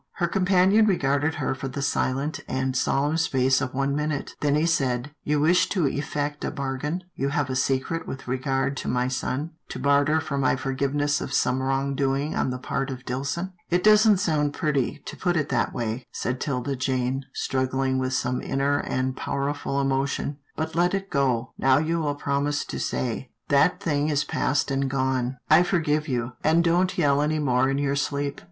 Her companion regarded her for the silent and solemn space of one minute, then he said, " You wish to effect a bargain — you have a secret with regard to my son, to barter for my forgiveness of some wrong doing on the part of Dillson." " It doesn't sound pretty, to put it that way," said 'Tilda Jane, struggling with some inner and powerful emotion, " but let it go — now will you promise to say, ' That thing is past and gone — I A CALL ON THE MERCHANT 63 forgive you, and don't yell any more in your sleep.'